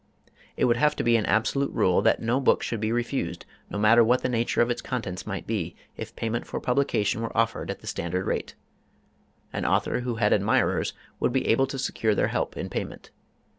It would have to be an absolute rule that no book should be refused, no matter what the nature of its contents might be, if payment for publication were offered at the standard rate. An author who had admirers would be able to secure their help in payment.